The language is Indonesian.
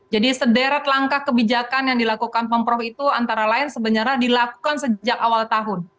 jadi sederet langkah kebijakan yang dilakukan pemprov itu antara lain sebenarnya dilakukan sejak awal tahun